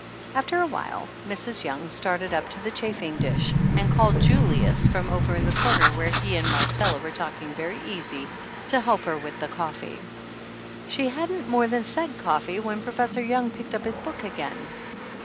After a while Mrs. Young started up the chafing dish and called Julius from over in the corner where he and Marcella were talking very easy, to help her with the coffee. She hadn't more than said coffee when Professor Young picked up his book again.